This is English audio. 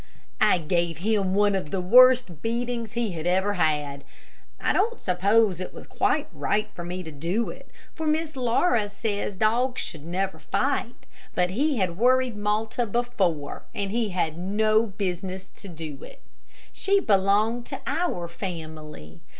I gave him one of the worst beatings he ever had. I don't suppose it was quite right for me to do it, for Miss Laura says dogs should never fight; but he had worried Malta before, and he had no business to do it. She belonged to our family.